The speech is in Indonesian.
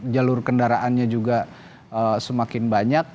jalur kendaraannya juga semakin banyak